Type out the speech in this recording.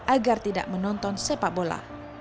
agar tidak menonton sepak bola